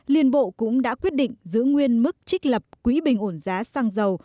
liên bộ cũng đã quyết định giữ nguyên mức trích lập quỹ bình ổn giá xăng dầu